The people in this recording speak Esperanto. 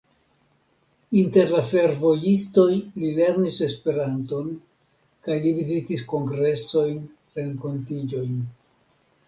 Inter la fervojistoj li lernis Esperanton kaj li vizitis kongresojn, renkontiĝojn.